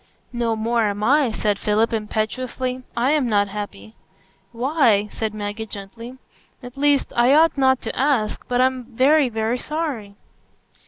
"No more am I," said Philip, impetuously; "I am not happy." "Why?" said Maggie, gently. "At least—I ought not to ask—but I'm very, very sorry."